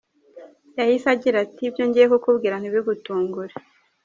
Yahise agira ati “Ibyo ngiye kukubwira ntibigutungure.